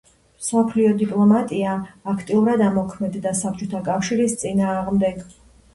მსოფლიო დიპლომატია აქტიურად ამოქმედდა საბჭოთა კავშირის წინააღმდეგ.